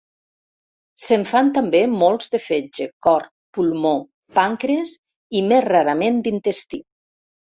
Se'n fan també molts de fetge, cor, pulmó, pàncrees i més rarament d'intestí.